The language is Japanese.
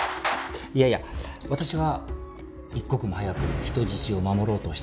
いやいや私は一刻も早く人質を守ろうとしたと思ってますが。